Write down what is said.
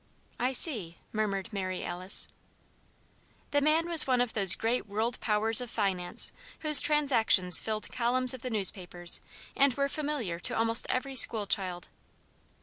'" "I see," murmured Mary Alice. The man was one of those great world powers of finance whose transactions filled columns of the newspapers and were familiar to almost every school child.